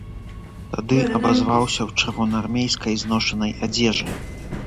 Тады абазваўся ў чырвонаармейскай зношанай адзежы.